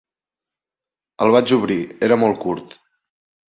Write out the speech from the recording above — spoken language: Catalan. El vaig obrir, era molt curt.